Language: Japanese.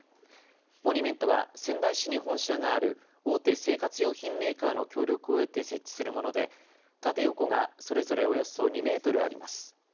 モニュメントは仙台市に本社がある大手生活用品メーカーの協力を得て設置するもので、縦横がそれぞれおよそ２メートルあります。